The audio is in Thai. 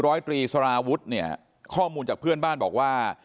ร้อยตรีสารวุฒิเนี่ยข้อมูลจากเพื่อนบ้านบอกว่า